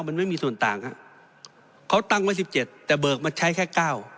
มันไม่มีส่วนต่างฮะเขาตั้งไว้สิบเจ็ดแต่เบิกมาใช้แค่เก้า